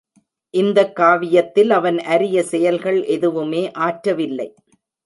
இந்தக் காவியத்தில் அவன் அரிய செயல்கள் எதுவுமே ஆற்றவில்லை.